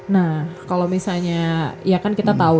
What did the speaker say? nah kalau misalnya ya kan kita tahu